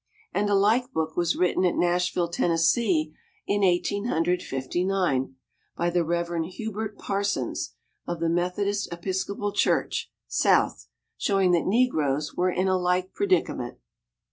And a like book was written at Nashville, Tennessee, in Eighteen Hundred Fifty nine, by the Reverend Hubert Parsons of the Methodist Episcopal Church (South), showing that negroes were in a like predicament.